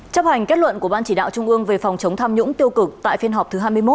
chấp hành kết luận của ban chỉ đạo trung ương về phòng chống tham nhũng tiêu cực tại phiên họp thứ hai mươi một